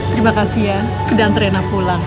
terima kasih ya sudah hantar rena pulang